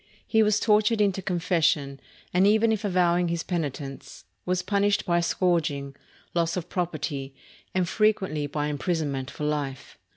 He was tortured into confession, and even if avowing his penitence, was punished by scourging, loss of property, and frequently by imprisonment for life.